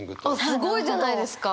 すごいじゃないですか！